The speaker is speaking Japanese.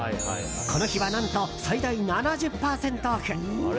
この日は何と最大７０％オフ。